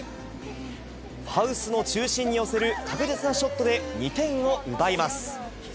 ハウスの中心に寄せる確実なショットで、２点を奪います。